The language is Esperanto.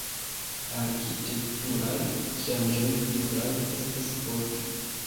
Arkitekturaj ŝanĝoj pluraj estis poste.